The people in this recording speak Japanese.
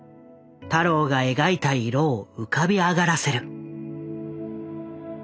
太郎が描いた色を浮かび上がらせる。